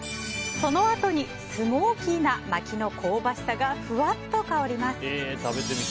そのあとにスモーキーな薪の香ばしさがふわっと香ります。